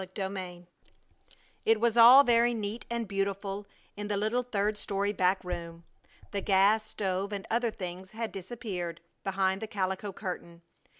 CHAPTER VIII It was all very neat and beautiful in the little, third story back room. The gas stove and other things had disappeared behind the calico curtain.